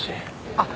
あっ。